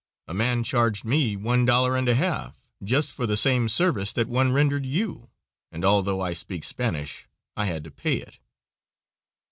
A man charged me one dollar and a half just for the same service that one rendered you, and, although I speak Spanish, I had to pay it."